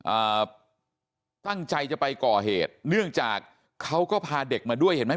อ่าตั้งใจจะไปก่อเหตุเนื่องจากเขาก็พาเด็กมาด้วยเห็นไหม